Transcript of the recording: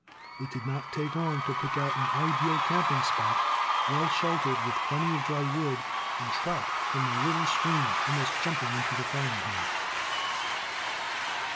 It did not take long to pick out an ideal camping spot, well sheltered, with plenty of dry wood, and trout from the little stream almost jumping into the frying pan.